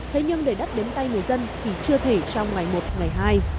thế nhưng để đất đến tay người dân thì chưa thể trong ngày một ngày hai